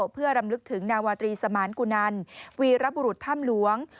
เพื่อรำลึกถึงนาวตรีสมาร์นกูนันวีรบรุธธรรมหลวง